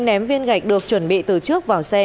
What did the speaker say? ném viên gạch được chuẩn bị từ trước vào xe